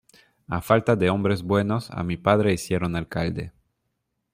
A falta de hombres buenos, a mi padre hicieron alcalde.